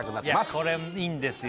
これいいんですよ